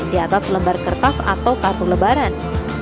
di atas lembar kertas atau kartu lebaran